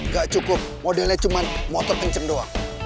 gak cukup modelnya cuma motor kencem doang